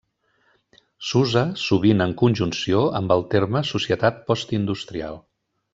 S'usa sovint en conjunció amb el terme societat postindustrial.